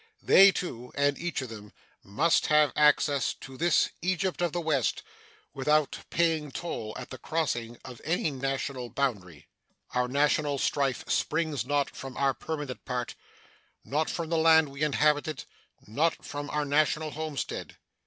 They, too, and each of them, must have access to this Egypt of the West without paying toll at the crossing of any national boundary. Our national strife springs not from our permanent part; not from the land we inhabit: not from our national homestead.